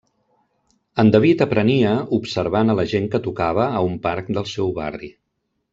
En David aprenia observant a la gent que tocava a un parc del seu barri.